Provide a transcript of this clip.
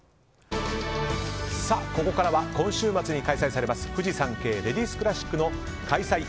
ここからは今週末に開催されますフジサンケイレディスクラシックの開催